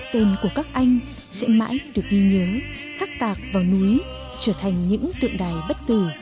tên của các anh sẽ mãi được ghi nhớ khắc tạc vào núi trở thành những tượng đài bất tử